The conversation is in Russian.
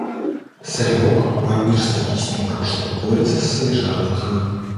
Саревок, вампир с трагическим прошлым, борется со своей жаждой крови.